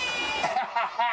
ハハハ